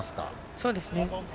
そうですね。